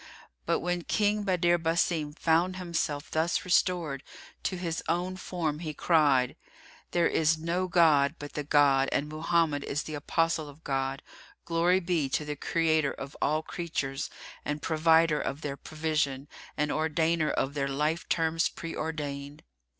But when King Badr Basim found himself thus restored to his own form he cried, "There is no god but the God and Mohammed is the Apostle of God! Glory be to the Creator of all creatures and Provider of their provision, and Ordainer of their life terms preordained!"